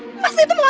aku mau ke rumah